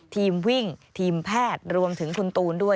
ทีมวิ่งทีมแพทย์รวมถึงคุณตูนด้วย